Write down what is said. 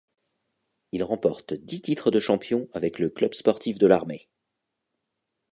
Il remporte dix titres de champion avec le club sportif de l'armée.